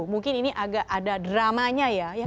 mungkin ini agak ada dramanya ya